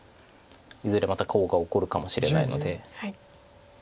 いずれまたコウが起こるかもしれないので。